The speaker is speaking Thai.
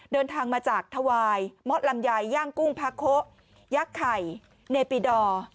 เดินทางมาจากทวายมอดลำไยย่างกุ้งพระโขยักข่ายเนปิดอร์